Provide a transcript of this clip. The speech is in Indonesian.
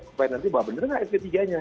supaya nanti bahwa bener gak sp tiga nya